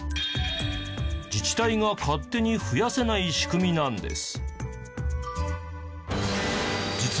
自治体が勝手に増やせない仕組みなんです。